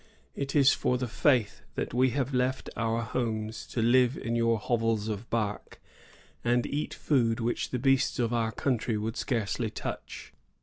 It is for the Faith that we have left our homes to live in your hovels of bark, and eat food which the beasts of our country would scarcely touch.